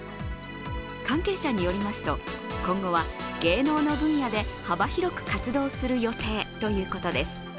関係者によりますと、今後は芸能の分野で幅広く活動する予定ということです。